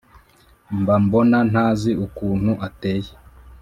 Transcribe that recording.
mba mbona ntazi ukuntu ateye